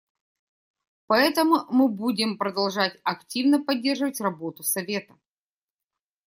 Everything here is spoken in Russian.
Поэтому мы будем продолжать активно поддерживать работу Совета.